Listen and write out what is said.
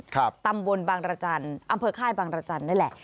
ค่ะตำบลบ้านระจันอำเภอค่ายบ้านระจันนั่นแหละ